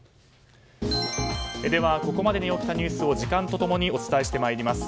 ではここまでに起きたニュースを時間と共にお伝えしてまいります。